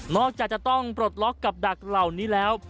จากจะต้องปลดล็อกกับดักเหล่านี้แล้ว